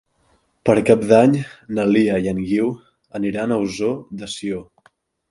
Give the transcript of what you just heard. Per Cap d'Any na Lia i en Guiu aniran a Ossó de Sió.